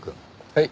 はい。